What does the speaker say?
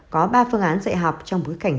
có ba phương án dạy học trong bối cảnh